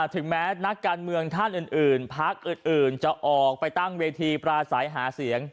ถึงแม้นักการเมืองภาคอื่นจะออกไปตั้งเวทีประสัยหาเสียง